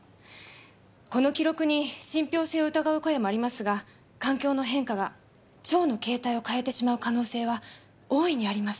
この記録に信憑性を疑う声もありますが環境の変化が蝶の形体を変えてしまう可能性は大いにあります。